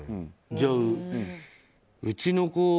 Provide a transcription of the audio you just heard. じゃあ、うちの子。